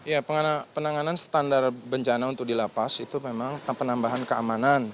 ya penanganan standar bencana untuk di lapas itu memang penambahan keamanan